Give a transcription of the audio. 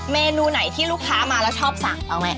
เมนูไหนที่ลูกค้ามาแล้วชอบสั่งเอาไหม